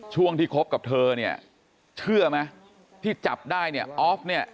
ช่วงที่คบกับเธอเนี่ยเชื่อไหมที่จับได้เนี่ยออฟเนี่ย